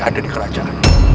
ada di kerajaan